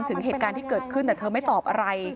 ถึงเหตุการณ์ที่เกิดขึ้นแต่เธอไม่ตอบอะไร